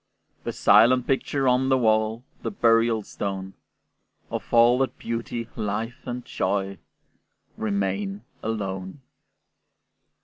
The silent picture on the wall, The burial stone, Of all that beauty, life, and joy Remain alone!